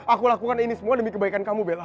aku lakukan ini semua demi kebaikan kamu bella